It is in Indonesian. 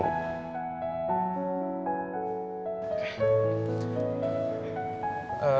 ini dia kan ketemu